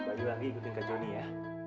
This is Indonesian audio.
bagi bagi ikutin ke johnny ya